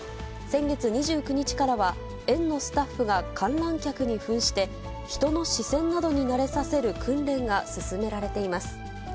先月２９日からは園のスタッフが観覧客にふんして、人の視線などに慣れさせる訓練が進められています。